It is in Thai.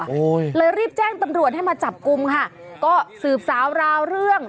โอ้โหเลยรีบแจ้งตำรวจให้มาจับกลุ่มค่ะก็สืบสาวราวเรื่อง